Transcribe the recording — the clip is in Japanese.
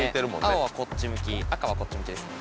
青はこっち向き赤はこっち向きですね